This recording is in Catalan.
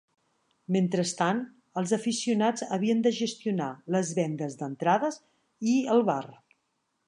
Mentrestant, els aficionats havien de gestionar les vendes d'entrades i el bar.